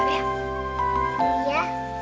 putri udah belum ya